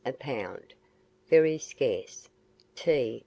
a pound, very scarce; tea, 3s.